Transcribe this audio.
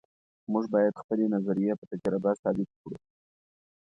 موږ باید خپلې نظریې په تجربه ثابتې کړو.